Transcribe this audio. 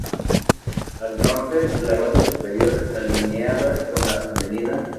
Al norte, la base superior alineada con la Av.